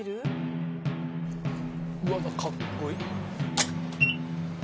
うわあかっこいい。